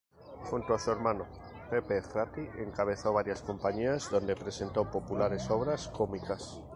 Junto a su hermano, Pepe Ratti encabezó varias compañías donde presentó populares obras cómicas.